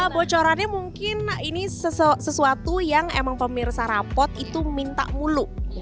bocorannya mungkin ini sesuatu yang emang pemirsa rapot itu minta mulu